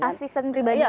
asisten pribadi ya